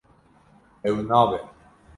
Ew nabe.